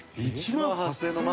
１万８０００円？